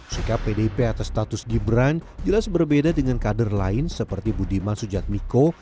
sikap pdip atas status gibran jelas berbeda dengan kader lain seperti budiman sujatmiko